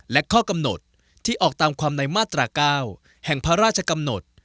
และข้อกำหนดที่ออกตามความในมาตรา๙แห่งพระราชกำหนด